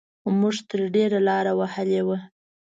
موږ تر ډېره لاره وهلې وه.